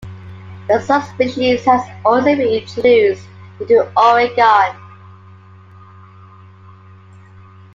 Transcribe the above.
The subspecies has also been introduced into Oregon.